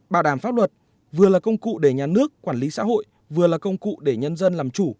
bảo đảm pháp luật vừa là công cụ để nhà nước quản lý xã hội vừa là công cụ để nhân dân làm chủ